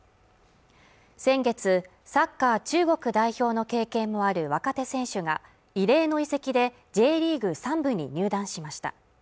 先月サッカー中国代表の経験もある若手選手が異例の移籍でＪリーグ３部に入団しました